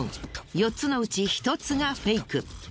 ４つのうち１つがフェイク。